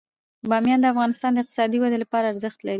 بامیان د افغانستان د اقتصادي ودې لپاره ارزښت لري.